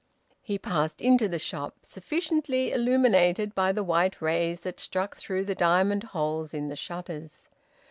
He passed into the shop, sufficiently illuminated by the white rays that struck through the diamond holes in the shutters.